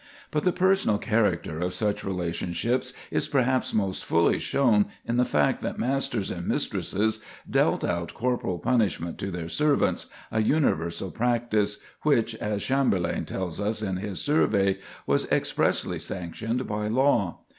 But the personal character of such relationships is perhaps most fully shown in the fact that masters and mistresses dealt out corporal punishment to their servants, a universal practice, which, as Chamberlayne tells us in his "Survey," was expressly sanctioned by law.